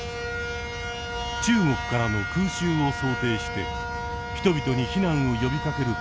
中国からの空襲を想定して人々に避難を呼びかける訓練です。